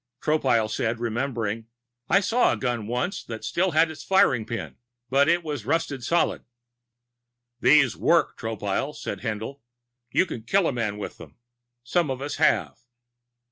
Tropile said, remembering: "I saw a gun once that still had its firing pin. But it was rusted solid." "These work, Tropile," said Haendl. "You can kill a man with them. Some of us have."